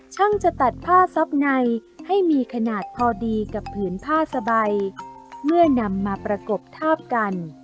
ช่างจะตัดผ้าซับในให้มีขนาดพอดีกับผืนผ้าสบายเมื่อนำมาประกบทาบกัน